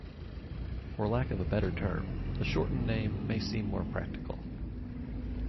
For lack of a better term, the shortened name may seem more practical.